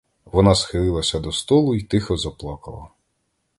Вона схилилася до столу й тихо заплакала.